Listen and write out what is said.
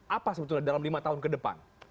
apa sebetulnya dalam lima tahun ke depan